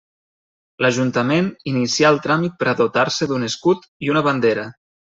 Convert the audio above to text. L'Ajuntament inicià el tràmit per a dotar-se d'un escut i una bandera.